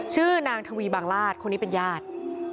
ชื่อนางทวีบางราชคนนี้เป็นญาติ